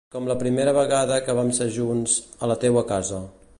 Com la primera vegada que vam ser junts, a la teua casa.